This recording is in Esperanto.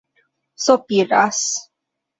sopiras